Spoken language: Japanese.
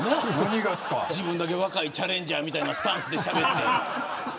自分だけ若いチャレンジャーみたいなスタンスでしゃべって。